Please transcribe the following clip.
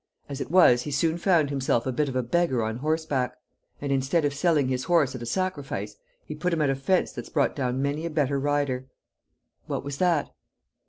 As it was he soon found himself a bit of a beggar on horseback. And instead of selling his horse at a sacrifice, he put him at a fence that's brought down many a better rider." "What was that?"